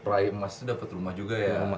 peraik emas itu dapet rumah juga ya